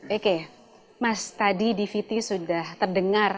oke mas tadi dvd sudah terdengar